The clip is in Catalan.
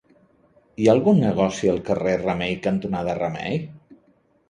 Hi ha algun negoci al carrer Remei cantonada Remei?